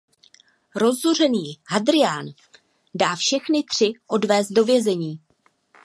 Rozzuřený Hadrián dá všechny tři odvést do vězení.